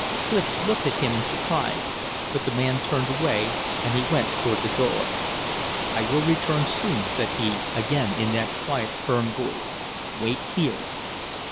Clif looked at him in surprise; but the man turned away, and he went toward the door. "I will return soon," said he, again in that quiet, firm voice. "Wait here."